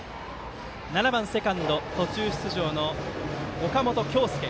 ７番、セカンド途中出場の岡本京介。